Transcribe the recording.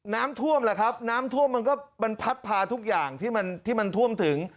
น้ำท่วมมันก็พัดพาทุกอย่างที่มันท่วมถึง